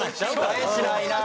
返しないな。